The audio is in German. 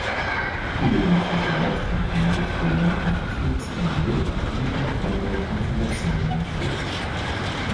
Über den Verbleib von Heinrich Bär nach Kriegsende liegen keine Informationen vor.